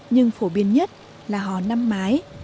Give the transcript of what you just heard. nhưng phổ biến nhất là hò năm mái